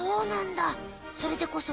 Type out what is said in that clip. それでこそ女王。